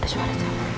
ada suara suara